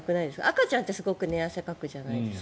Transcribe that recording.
あかちゃんって、すごく寝汗をかくじゃないですか。